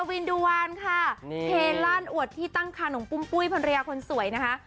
เพราะว่าเทฬานอวดที่ตั้งคานุงปุ้มปุ้ยพนักริยาคนสวยนะคะ